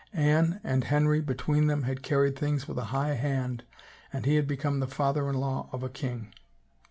Anne and Henry between them had carried things with a high hand and he had become the father in law of a king.